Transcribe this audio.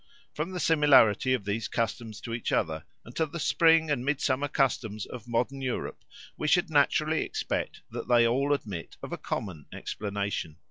From the similarity of these customs to each other and to the spring and midsummer customs of modern Europe we should naturally expect that they all admit of a common explanation.